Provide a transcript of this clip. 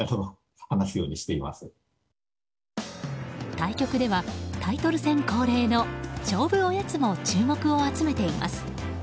対局ではタイトル戦恒例の勝負おやつも注目を集めています。